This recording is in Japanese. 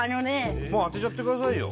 もう当てちゃってくださいよ。